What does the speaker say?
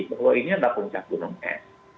bahwa ini adalah puncak gunungnya